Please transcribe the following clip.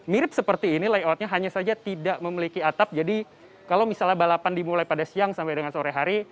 mirip seperti ini layoutnya hanya saja tidak memiliki atap jadi kalau misalnya balapan dimulai pada siang sampai dengan sore hari